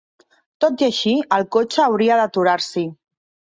Tot i així, el cotxe hauria d'aturar-s'hi.